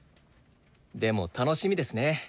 でも楽しみですね。